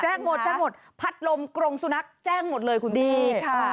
แจ้งหมดแจ้งหมดพัดลมกรงสุนัขแจ้งหมดเลยคุณดีค่ะ